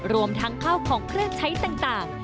รวมทั้งข้าวของเครื่องใช้ต่าง